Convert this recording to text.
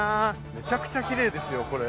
めちゃくちゃキレイですよこれ。